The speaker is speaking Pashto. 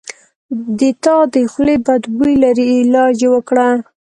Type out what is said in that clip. د تا د خولې بد بوي لري علاج یی وکړه